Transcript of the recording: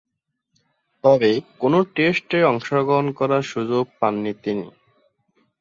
তবে, কোন টেস্টে অংশগ্রহণ করার সুযোগ পাননি তিনি।